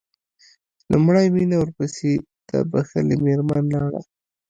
لومړی مينه ورپسې دا بښلې مېرمنه لاړه.